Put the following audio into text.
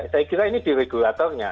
saya kira ini di regulatornya